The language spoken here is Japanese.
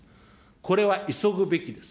これは急ぐべきです。